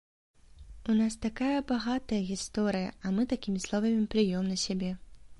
У нас такая багатая гісторыя, а мы такімі словамі плюём на сябе!